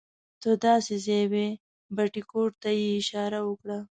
ته داسې ځې وه بټې ګوتې ته یې اشاره وکړه.